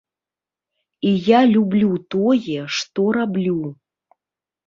І я люблю тое, што раблю.